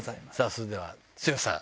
それでは剛さん。